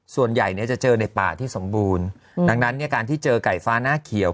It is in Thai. ส่วนใหญ่เนี่ยจะเจอในป่าที่สมบูรณ์ดังนั้นเนี่ยการที่เจอไก่ฟ้าหน้าเขียว